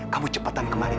kamu cepatan kemarin